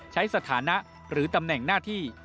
สถานะหรือตำแหน่งหน้าที่